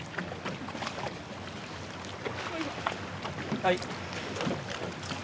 はい。